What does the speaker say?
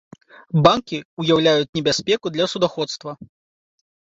Банкі ўяўляюць небяспеку для судаходства.